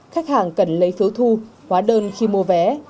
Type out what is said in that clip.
khách hàng cần lấy phiếu thu hóa đơn khi mua vé